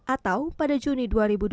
atau pada juni dua ribu dua puluh